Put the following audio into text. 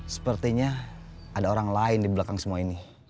sepertinya ada orang lain di belakang semua ini